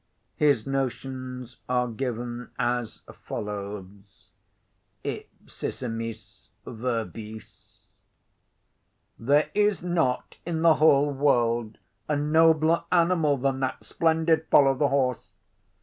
His notions are given as follows, ipsissimis verbis. "There is not in the whole world, a nobler animal than that splendid fellow, the horse.